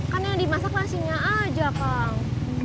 kan yang dimasak nasinya aja kang